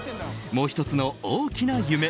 もう１つの大きな夢